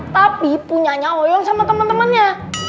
tapi punyanya oyang sama teman temannya